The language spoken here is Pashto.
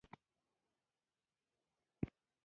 د تخار په اشکمش کې د قیمتي ډبرو نښې دي.